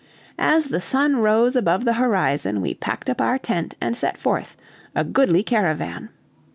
As the sun rose above the horizon, we packed up our tent and set forth, a goodly caravan.